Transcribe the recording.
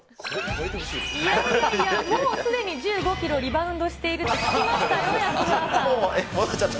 いやいやいや、もうすでに１５キロリバウンドしていると聞きましたよ、安村さん。